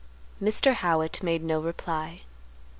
Mr. Howitt made no reply.